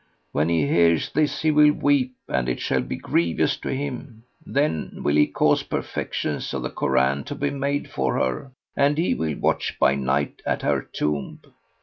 When he hears this he will weep and it shall be grievous to him; then will he cause perlections of the Koran to be made for her and he will watch by night at her tomb.